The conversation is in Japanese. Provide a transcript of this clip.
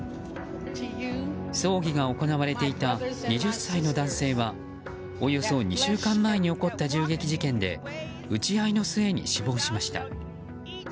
葬儀が行われていた２０歳の男性はおよそ２週間前に起こった銃撃事件で撃ち合いの末に死亡しました。